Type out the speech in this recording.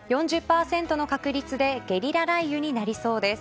４０％の確率でゲリラ雷雨になりそうです。